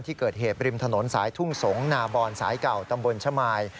ที่เกิดเหตุริมถนนสายทุ่งสงนาบอนสายเก่าตำบลชะมาย